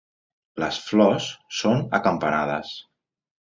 Les flors són acampanades.